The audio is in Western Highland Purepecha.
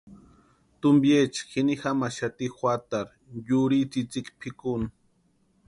Tumpiecha jini jamaxati juatarhu yurhi tsïtsïki pʼikuni.